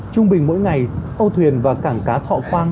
trung bình mỗi ngày âu thuyền và cảng cá thọ quang